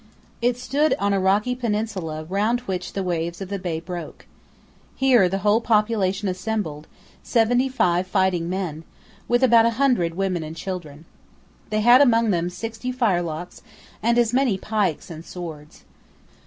It stood on a rocky peninsula round which the waves of the bay broke. Here the whole population assembled, seventy five fighting men, with about a hundred women and children. They had among them sixty firelocks, and as many pikes and swords.